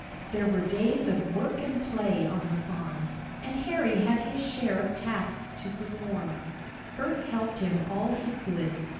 There were days of work and play on the farm, and Harry had his share of tasks to perform. Bert helped him all he could.